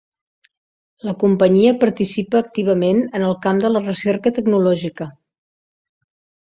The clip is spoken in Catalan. La companyia participa activament en el camp de la recerca tecnològica.